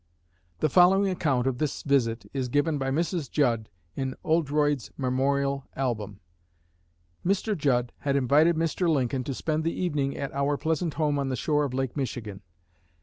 The following account of this visit is given by Mrs. Judd in Oldroyd's Memorial Album: "Mr. Judd had invited Mr. Lincoln to spend the evening at our pleasant home on the shore of Lake Michigan.